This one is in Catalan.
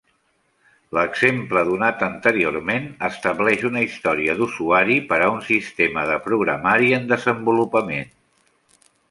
L'exemple donat anteriorment estableix una història d'usuari per a un sistema de programari en desenvolupament.